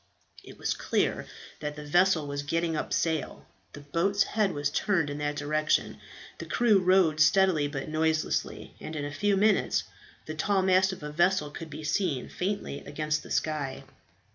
It was clear that the vessel was getting up sail. The boat's head was turned in that direction; the crew rowed steadily but noiselessly, and in a few minutes the tall mast of a vessel could be seen faintly against the sky.